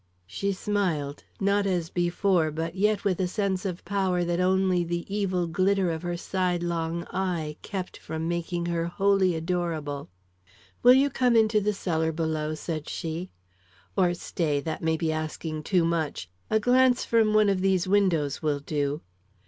She smiled, not as before, but yet with a sense of power that only the evil glitter of her sidelong eye kept from making her wholly adorable. "Will you come into the cellar below?" said she. "Or stay; that may be asking too much. A glance from one of these windows will do."